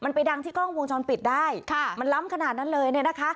มันไปดังที่กล้องวงจรปิดได้ค่ะมันล้ำขนาดนั้นเลยเนี่ยนะคะ